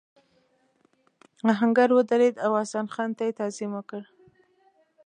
آهنګر ودرېد او حسن خان ته یې تعظیم وکړ.